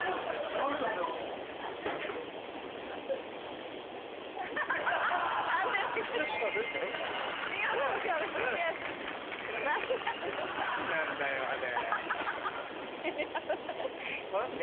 何なんだよあれ。